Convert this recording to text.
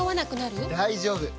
大丈夫！